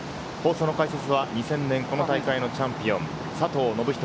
放送の解説は２０００年、この大会のチャンピオン・佐藤信人